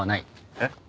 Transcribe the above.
えっ？